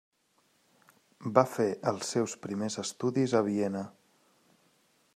Va fer els seus primers estudis a Viena.